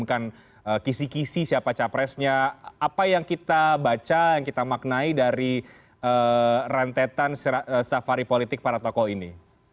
bukan kisi kisi siapa capresnya apa yang kita baca yang kita maknai dari rentetan safari politik para tokoh ini